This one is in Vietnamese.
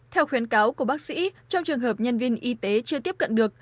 theo khuyến cáo của bác sĩ trong trường hợp nhân viên y tế chưa tiếp cận được